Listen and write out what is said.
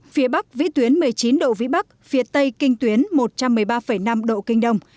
phía bắc vĩ tuyến một mươi chín độ vĩ bắc phía tây kinh tuyến một trăm một mươi ba năm độ kinh đông